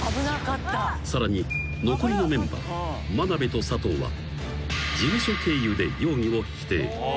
［さらに残りのメンバー真鍋と佐藤は事務所経由で］